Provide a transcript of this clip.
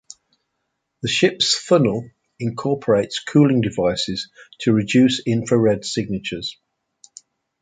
The ship's funnel incorporates cooling devices to reduce infrared signatures.